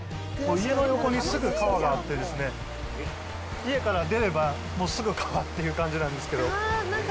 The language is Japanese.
家の横にすぐ川があってですね、家から出れば、もうすぐ川っていう感じなんですけど。